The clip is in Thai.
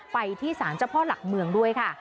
ไปที่สารเจ้าพ่อหลักเมืองด้วยค่ะ